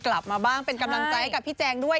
กลับมาบ้างเป็นกำลังใจให้กับพี่แจงด้วย